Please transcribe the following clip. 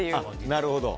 なるほど。